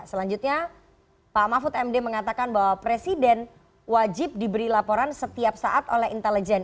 selanjutnya pak mahfud md mengatakan bahwa presiden wajib diberi laporan setiap saat oleh intelijen